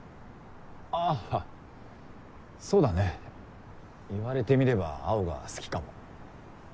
ああそうだね言われてみれば青が好きかも。